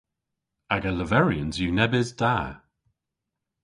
Aga leveryans yw nebes da.